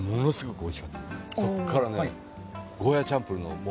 そこからね。